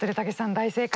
大正解。